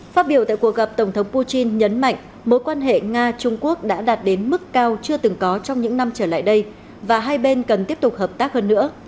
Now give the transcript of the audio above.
phát biểu tại cuộc gặp tổng thống putin nhấn mạnh mối quan hệ nga trung quốc đã đạt đến mức cao chưa từng có trong những năm trở lại đây và hai bên cần tiếp tục hợp tác hơn nữa